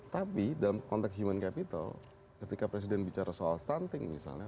tapi dalam konteks human capital ketika presiden bicara soal stunting misalnya